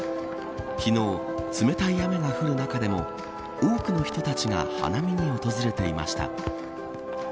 昨日、冷たい雨が降る中でも多くの人たちが花見に訪れていました。